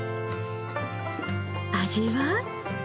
味は？